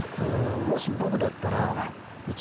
もし僕だったら。